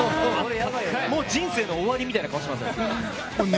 もう人生の終わりみたいな顔しています。